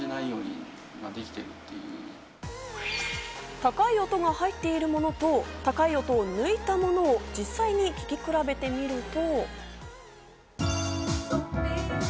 高い音が入っているものと高い音を抜いたものを実際に聞き比べてみると。